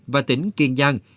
và tỉnh kiên giang